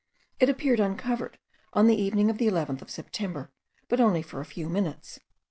It appeared uncovered on the evening of the 11th of September, but only for a few minutes.